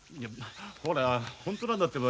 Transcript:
ほら本当なんだってば。